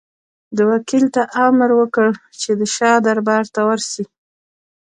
ده وکیل ته امر وکړ چې د شاه دربار ته ورسي.